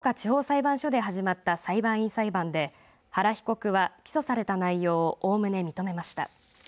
きょう福岡地方裁判所で始まった裁判員裁判で原被告は、起訴された内容をおおむね認めました。